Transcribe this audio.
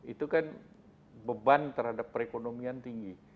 itu kan beban terhadap perekonomian tinggi